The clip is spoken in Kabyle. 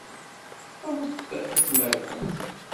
Ffɣet ad tmerrḥem!